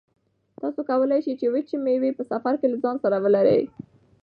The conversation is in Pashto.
تاسو کولای شئ چې وچې مېوې په سفر کې له ځان سره ولرئ.